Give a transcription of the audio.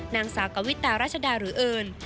นางสาวกวิตารัชดาหรือเอิญ